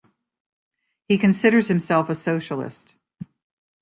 He considers himself a Socialist.